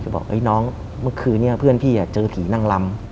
บอกน้องเมื่อคืนนี้เพื่อนพี่เจอผีนั่งลำ